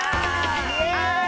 イエーイ！